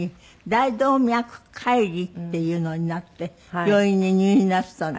大動脈解離っていうのになって病院に入院なすったんですって？